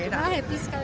wah happy sekali